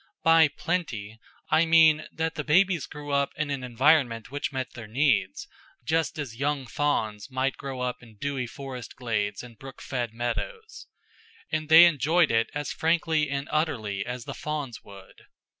By "plenty" I mean that the babies grew up in an environment which met their needs, just as young fawns might grow up in dewy forest glades and brook fed meadows. And they enjoyed it as frankly and utterly as the fawns would.